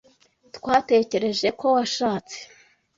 Twatekereje ko washatse.